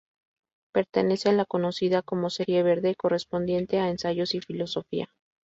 Pertenece a la conocida como "serie verde", correspondiente a "Ensayos y filosofía".